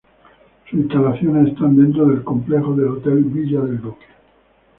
Sus instalaciones están dentro del complejo del hotel Villa del Duque.